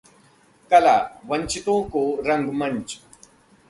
कलाः वंचितों का रंगमंच